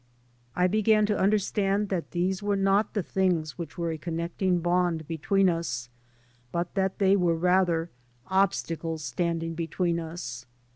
I began to under stand that these were not the things which were a connecting bond between us, but that they were rather obstacles standing between us.